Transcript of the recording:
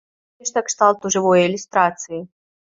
Нешта кшталту жывой ілюстрацыі.